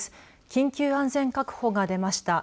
緊急安全確保が出ました。